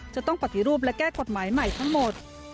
จะต้องปฏิรูปและแก้กฎหมายใหม่ทั้งหมด